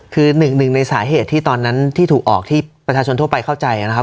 คือหนึ่งในสาเหตุที่ตอนนั้นที่ถูกออกที่ประชาชนทั่วไปเข้าใจนะครับ